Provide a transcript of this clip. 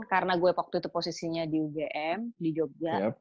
karena waktu itu gue posisinya di ugm di jogja